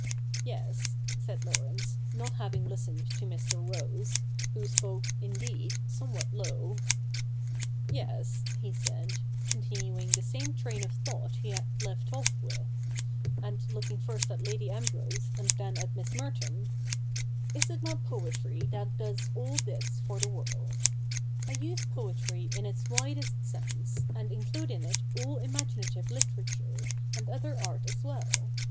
' 'Yes,' said Laurence, not having listened to Mr. Rose, who spoke, indeed, somewhat low, ' Yes,' he said, continuing the same train of thought he had left off with, and looking first at Lady Ambrose and then at Miss Merton, ' is it not poetry that does all this for the world ? I use poetry in its widest sense, and include in it all imaginative literature, and other art as well.